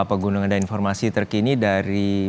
apa gunung ada informasi terkini dari